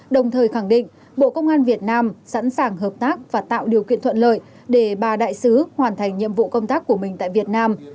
đồng thời khẳng định bộ công an việt nam sẵn sàng hợp tác và tạo điều kiện thuận lợi để bà đại sứ hoàn thành nhiệm vụ công tác của mình tại việt nam